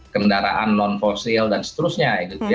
kendaraan non fosil dan seterusnya